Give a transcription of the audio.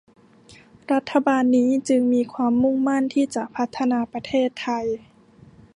รัฐบาลนี้จึงมีความมุ่งมั่นที่จะพัฒนาประเทศไทย